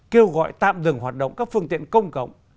kêu gọi tạm dừng hoạt động các phương tiện công cộng